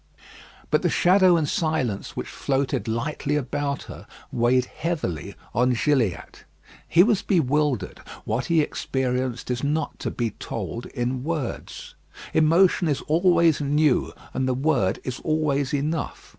But the shadow and silence which floated lightly about her weighed heavily on Gilliatt. He was bewildered; what he experienced is not to be told in words. Emotion is always new, and the word is always enough.